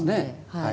はい。